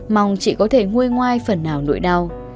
mong chị có thể nguôi ngoai phần nào nỗi đau